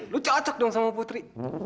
lu cocok acak dong sama putri